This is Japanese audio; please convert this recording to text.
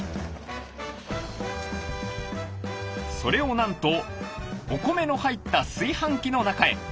それをなんとお米の入った炊飯器の中へ。